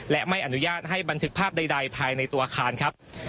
และไม่อนุญาตให้บันทึกภาพใดภายในตัวอาคารครับ